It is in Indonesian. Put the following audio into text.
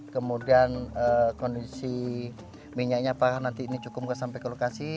kemudian kondisi minyaknya apakah nanti ini cukup sampai ke lokasi